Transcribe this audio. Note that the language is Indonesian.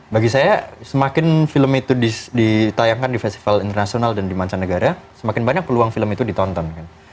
bagi saya semakin film itu ditayangkan di festival internasional dan di mancanegara semakin banyak peluang film itu ditonton kan